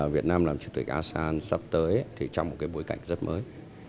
việt nam làm chủ tịch asean sắp tới thì trong một cái bối cảnh rất mới